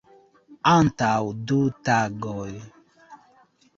Antaŭ du tagoj.